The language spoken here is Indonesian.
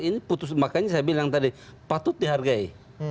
ini putus makanya saya bilang tadi patut dihargai